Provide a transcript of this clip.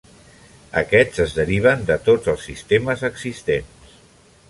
Aquests es deriven de tots els sistemes existents.